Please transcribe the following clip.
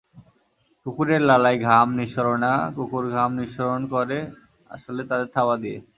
কুকুরের লালায় ঘাম নিঃসরণনা, কুকুর ঘাম নিঃসরণ করে আসলে তাদের থাবা দিয়ে।